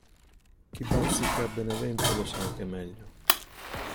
Chi bazzica Benevento lo sa anche meglio.